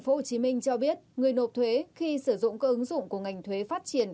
tp hcm cho biết người nộp thuế khi sử dụng các ứng dụng của ngành thuế phát triển